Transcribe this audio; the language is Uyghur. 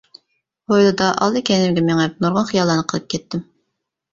ھويلىدا ئالدى-كەينىمگە مېڭىپ نۇرغۇن خىياللارنى قىلىپ كەتتىم.